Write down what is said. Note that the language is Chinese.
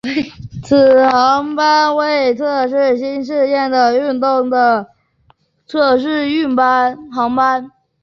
此航班为测试新机场的运作的测试航班。